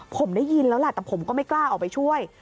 ผมได้ยินแล้วแหละแต่ผมก็ไม่กล้าออกไปช่วย